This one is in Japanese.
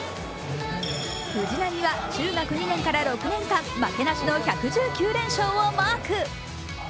藤波は中学２年から６年間負けなしの連勝をマーク。